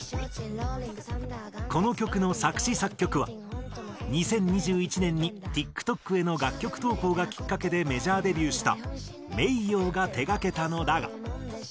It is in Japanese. この曲の作詞作曲は２０２１年にＴｉｋＴｏｋへの楽曲投稿がきっかけでメジャーデビューしたｍｅｉｙｏが手がけたのだが。